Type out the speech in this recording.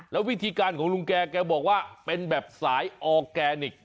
แล้ววิธีการของลุงแกแกบอกว่าเป็นแบบสายออร์แกนิค